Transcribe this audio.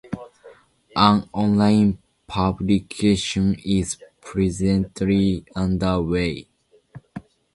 An online publication is presently under way.